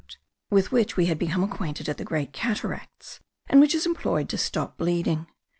with which we had become acquainted at the Great Cataracts, and which is employed to stop bleeding.